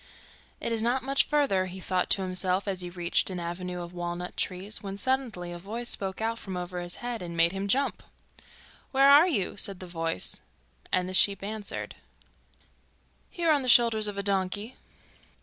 'It is not much further,' he thought to himself as he reached an avenue of walnut trees, when suddenly a voice spoke out from over his head, and made him jump. 'Where are you?' said the voice, and the sheep answered: 'Here on the shoulders of a donkey.